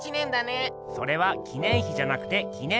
それは「記念碑」じゃなくて「記念日」！